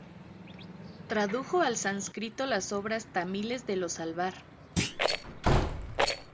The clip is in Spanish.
Tradujo al sánscrito las obras tamiles de los Alvar.